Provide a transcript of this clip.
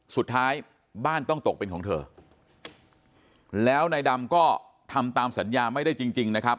สุดท้ายบ้านต้องตกเป็นของเธอแล้วนายดำก็ทำตามสัญญาไม่ได้จริงจริงนะครับ